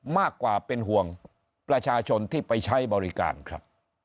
มากกว่าเป็นห่วงประชาชนที่ไปใช้บริการครับ